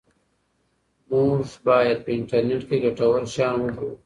موږ باید په انټرنیټ کې ګټور شیان وګورو.